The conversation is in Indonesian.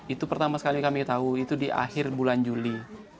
itu pertama sekali kami tahu itu di akhir bulan juli